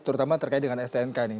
terutama terkait dengan stnk nih